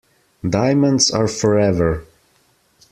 Diamonds are forever.